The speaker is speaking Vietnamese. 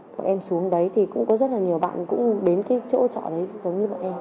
bọn em xuống đấy thì cũng có rất là nhiều bạn cũng đến cái chỗ trọ đấy giống như bọn em